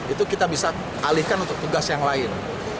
itu kita bisa alihkan untuk tugas yang lain